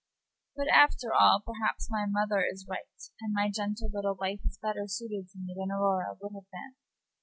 But, after all, perhaps my mother is right, and my gentle little wife is better suited to me than Aurora would have been."